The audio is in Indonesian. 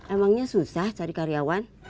emangnya susah cari karyawan